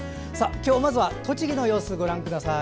今日まずは栃木の様子ご覧ください。